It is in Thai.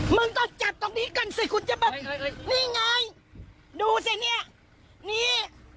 มึงก็จัดตรงนี้กันสิคุณจะแบบนี่ไงดูสิเนี่ยนี่